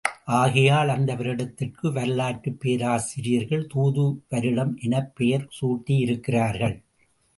ஆகையால், அந்த வருடத்திற்கு வரலாற்றுப் பேராசிரியர்கள் தூது வருடம் எனப் பெயர் சூட்டியிருக்கிறார்கள்.